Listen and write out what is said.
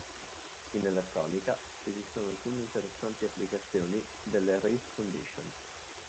In elettronica, esistono alcune interessanti applicazioni delle Race Condition.